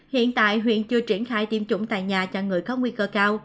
hiện tại huyện chưa triển khai tiêm chủng tại nhà cho người có nguy cơ cao